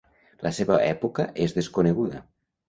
La seva època és desconeguda.